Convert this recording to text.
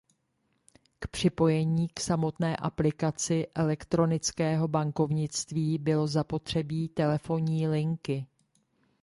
K připojení k samotné aplikaci elektronického bankovnictví bylo zapotřebí telefonní linky.